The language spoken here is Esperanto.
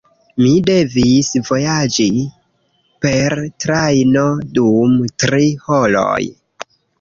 Mi devis vojaĝi per trajno dum tri horoj.